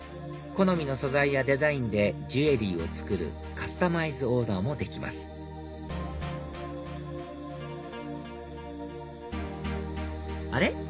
好みの素材やデザインでジュエリーを作るカスタマイズオーダーもできますあれ？